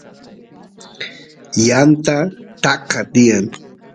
yanta taka tiyan